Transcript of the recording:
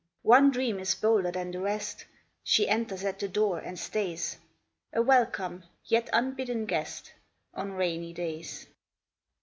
One dream is bolder than the rest: She enters at the door and stays, A welcome yet unbidden guest On rainy days.